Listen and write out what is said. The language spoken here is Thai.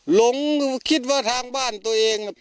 หลงคิดว่าทางบ้านตัวเอง